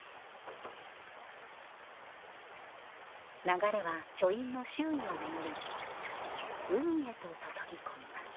流れは書院の周囲を巡り海へと注ぎ込みます